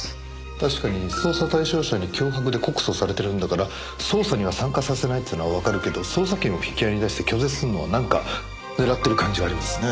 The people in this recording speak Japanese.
確かに捜査対象者に脅迫で告訴されてるんだから捜査には参加させないっていうのはわかるけど捜査権を引き合いに出して拒絶するのはなんか狙ってる感じがありますね。